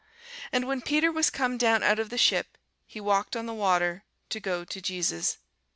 And when Peter was come down out of the ship, he walked on the water, to go to Jesus.